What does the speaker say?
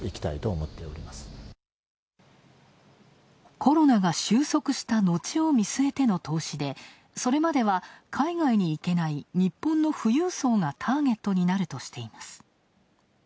コロナが収束した後を見据えての投資でそれまでは、海外に行けない日本の富裕層がターゲットになるとしています。